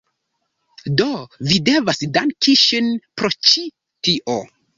Do, vi devas danki ŝin pro ĉi tio